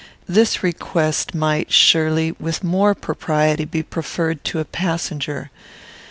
This request might, surely, with more propriety be preferred to a passenger.